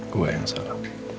gue yang salah